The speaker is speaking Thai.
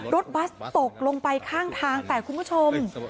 บัสตกลงไปข้างทางแต่คุณผู้ชม